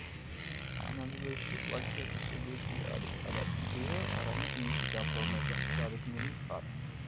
სინამდვილეში, პლაგიატის ობიექტი არის არა იდეა, არამედ მისი გაფორმება, გარეგნული მხარე.